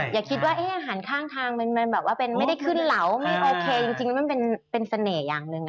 อย่าคิดว่าอาหารข้างทางมันแบบว่าเป็นไม่ได้ขึ้นเหลาไม่โอเคจริงแล้วมันเป็นเสน่ห์อย่างหนึ่ง